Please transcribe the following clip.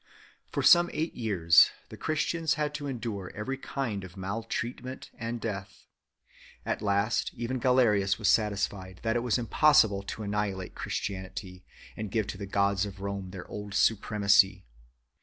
For some eight years the Christians had to endure every kind of maltreatment and death. At last even Galerius was satisfied that it was impossible to annihilate Christianity and give to the gods of Rome their old supremacy.